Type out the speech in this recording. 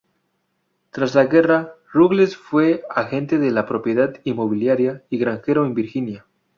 Tras la guerra, Ruggles fue agente de la propiedad inmobiliaria y granjero en Virginia.